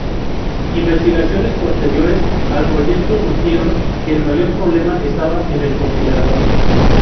Investigaciones posteriores al proyecto sugirieron que el mayor problema estaba en el compilador.